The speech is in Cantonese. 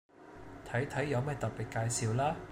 睇睇有咩特別介紹啦